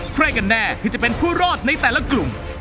ใครกันแน่คือจะเป็นผู้รอดในแต่ละกลุ่ม